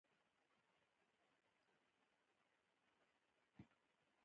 خپله تېروتنه نه وي جبران کړې.